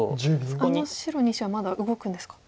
あの白２子はまだ動くんですか。